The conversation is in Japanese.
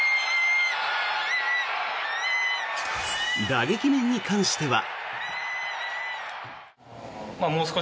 打撃面に関しては。